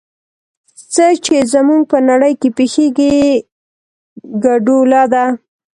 څه چې زموږ په نړۍ کې پېښېږي ګډوله ده.